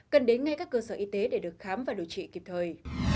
cần đến ngay các cơ sở y tế để được khám và điều trị kịp thời